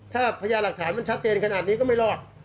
ถ้าพญาหลักฐานมันชัดเจนขนาดนี้ก็ไม่รอด